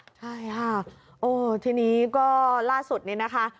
ใช่ค่ะโอ้ทีนี้ก็ล่าสุดนี้นะคะ